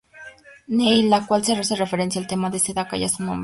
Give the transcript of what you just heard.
Neil", la cual hace referencia al tema de Sedaka y a su nombre.